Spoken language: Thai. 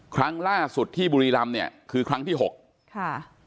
ครั้งล่าสุดที่บุรีรำเนี่ยคือครั้งที่หกค่ะ